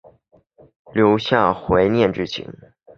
留下怀念之情